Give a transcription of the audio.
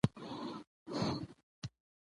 د بانکي خدماتو چټکتیا د ولس لویه غوښتنه ده.